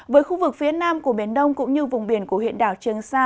với khu vực phía nam của biển đông cũng như vùng biển của huyện đảo trường sa